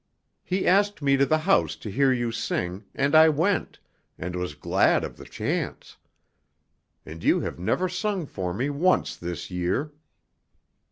He asked me to the house to hear you sing, and I went, and was glad of the chance. And you have never sung for me once this year."